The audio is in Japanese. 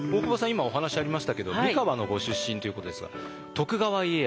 今お話ありましたけど三河のご出身ということですが徳川家康